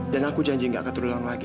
dan aku janji tidak akan terulang lagi